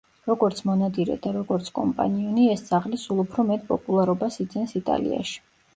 როგორც მონადირე და როგორც კომპანიონი ეს ძაღლი სულ უფრო მეტ პოპულარობას იძენს იტალიაში.